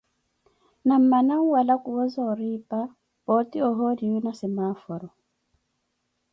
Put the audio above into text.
Na mmana awala kuwo zooripa, pooti ohoniwi na maxooferi.